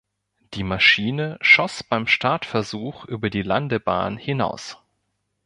Die Maschine schoss beim Startversuch über die Landebahn hinaus.